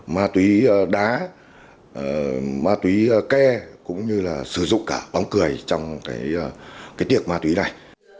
ma túy đá ma túy ke cũng như sử dụng cả bóng cười trong tiệc ma túy này